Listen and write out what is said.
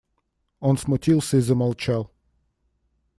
Он смутился и замолчал.